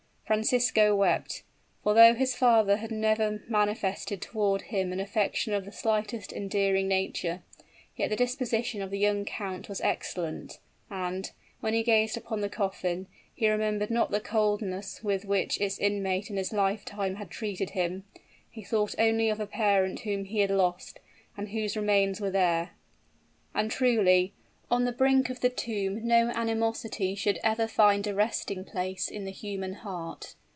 Francisco wept, for though his father had never manifested toward him an affection of the slightest endearing nature, yet the disposition of the young count was excellent; and, when he gazed upon the coffin, he remembered not the coldness with which its inmate in his lifetime had treated him he thought only of a parent whom he had lost, and whose remains were there! And truly, on the brink of the tomb no animosity should ever find a resting place in the human heart.